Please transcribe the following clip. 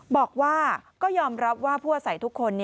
บอกว่าก็ยอมรับว่าผู้อาศัยทุกคน